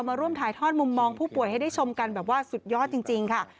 มาร่วมถ่ายทอดมุมมองผู้ป่วยให้ได้ชมกันแบบว่าสุดยอดจริงค่ะ